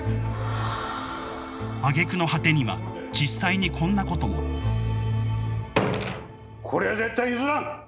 あげくの果てには実際にこんなこともこれは絶対に譲らん！